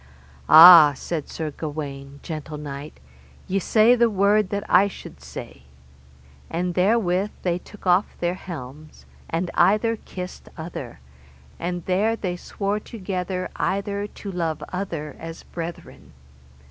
Ah, said Sir Gawaine, gentle knight, ye say the word that I should say. And therewith they took off their helms, and either kissed other, and there they swore together either to love other as brethren.